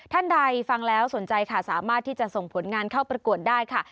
ท่านใดฟังแล้วสนใจค่ะสามารถที่จะส่งผลงานเข้าประกวดได้ค่ะ